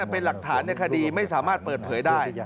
เป็นหลักฐานในคดีไม่สามารถเปิดเผยได้